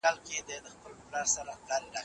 د بدو کلمو ويل د انسان شخصيت راټيټوي.